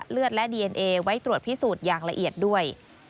เลือดและดีเอนเอไว้ตรวจพิสูจน์อย่างละเอียดด้วย